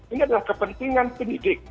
ini adalah kepentingan penyidik